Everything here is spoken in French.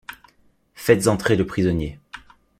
Faites entrer le prisonnier.